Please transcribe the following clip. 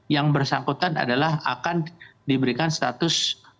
yang bersangkutan adalah akan diberikan status